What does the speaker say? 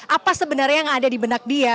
apa sebenarnya yang ada di benak dia